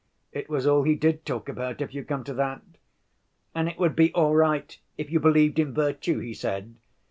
"It was all he did talk about, if you come to that. 'And it would be all right if you believed in virtue,' he said.